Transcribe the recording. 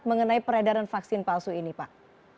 mengenai peredaran vaksin palsu ini pak